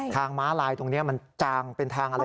ทางมาลัยตรงนี้มันจางเป็นทางอะไรนะ